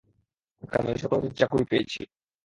একটা নৈশপ্রহরীর চাকুরি পেয়েছি।